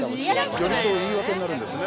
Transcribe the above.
◆寄り添う言い訳になるんですね。